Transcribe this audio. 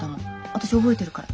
私覚えてるから。